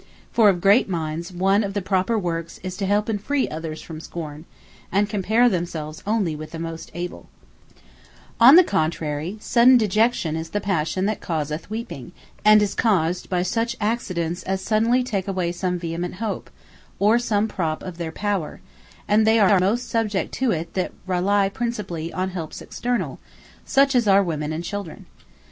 For of great minds, one of the proper workes is, to help and free others from scorn; and compare themselves onely with the most able. Sudden Dejection Weeping On the contrary, Sudden Dejection is the passion that causeth WEEPING; and is caused by such accidents, as suddenly take away some vehement hope, or some prop of their power: and they are most subject to it, that rely principally on helps externall, such as are Women, and Children.